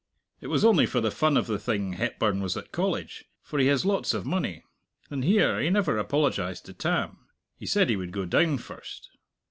"It was only for the fun of the thing Hepburn was at College, for he has lots of money; and, here, he never apologized to Tam! He said he would go down first."